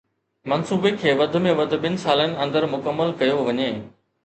منصوبي کي وڌ ۾ وڌ ٻن سالن اندر مڪمل ڪيو وڃي.